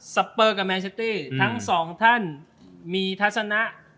เปอร์กับแมนซิตี้ทั้งสองท่านมีทัศนะ